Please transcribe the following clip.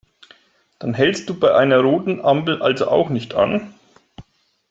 Dann hältst du bei einer roten Ampel also auch nicht an?